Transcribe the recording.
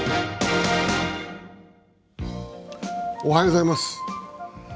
おはようございます。